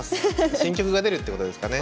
新曲が出るってことですかね？